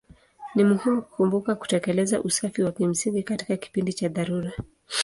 Ni muhimu kukumbuka kutekeleza usafi wa kimsingi katika kipindi cha dharura.